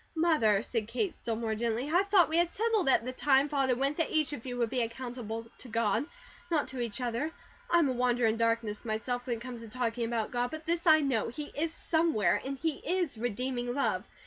"Mother," said Kate still more gently, "I thought we had it settled at the time Father went that each of you would be accountable to GOD, not to each other. I am a wanderer in darkness myself, when it come to talking about God, but this I know, He is SOMEWHERE and He is REDEEMING love.